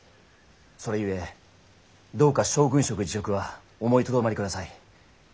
それゆえどうか将軍職辞職は思いとどまりください。